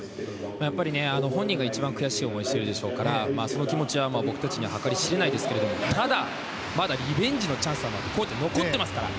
やっぱり本人が一番悔しい思いをしているでしょうからその気持ちは僕たちには計り知れないですがただ、まだリベンジのチャンスは残ってますから。